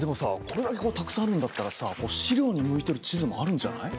これだけこうたくさんあるんだったらさ資料に向いてる地図もあるんじゃない？